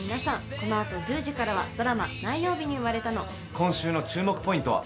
このあとドラマ何曜日に生まれたの今週の注目ポイントは？